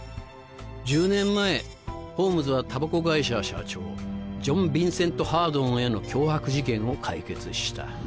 １０年前ホームズは煙草会社社長ジョン・ビンセント・ハードンへの脅迫事件を解決した。